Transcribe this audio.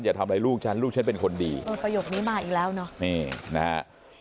อย่าทำอะไรลูกฉันลูกฉันเป็นคนดีเออประโยคนี้มาอีกแล้วเนอะนี่นะฮะ